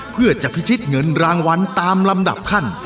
เพื่อจะพิชิตเงินรางวัลตามลำดับขั้น